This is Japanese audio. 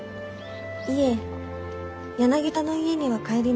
いえ柳田の家には帰りません。